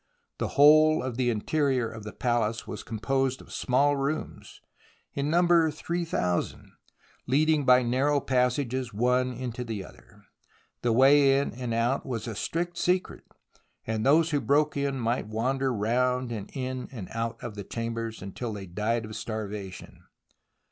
The whole of the interior of the palace was composed of small rooms, in number three thousand, leading by narrow passages one into the other. The way in and out was a strict secret, and those who broke in might wander THE ROMANCE OF EXCAVATION 79 round and in and out of the chambers until they died of starvation.